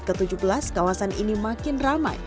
ke tujuh belas kawasan ini makin ramai